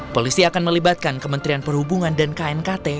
polisi akan melibatkan kementerian perhubungan dan knkt